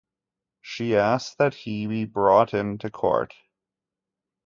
She asked that he be brought into court.